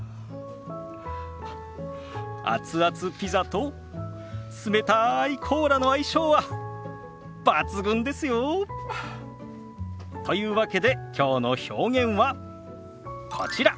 熱々ピザと冷たいコーラの相性は抜群ですよ。というわけできょうの表現はこちら。